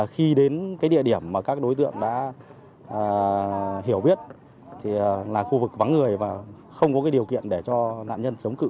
khi đến cái địa điểm mà các đối tượng đã hiểu biết thì là khu vực vắng người và không có điều kiện để cho nạn nhân chống cự